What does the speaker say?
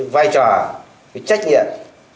vai trò trách nhiệm